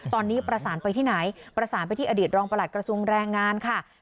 ตอนนี้ประสานไปที่ไหนประสานไปที่อดีตรองประหลัดกระทรวงแรงงานค่ะ